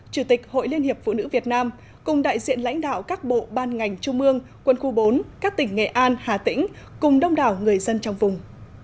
chủ tịch hội liên hiệp phụ nữ việt nam cùng đại diện lãnh đạo các bộ ban ngành trung ương quân khu bốn các tỉnh nghệ an hà tĩnh cùng đông đảo người dân trong vùng